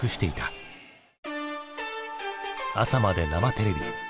「朝まで生テレビ！」。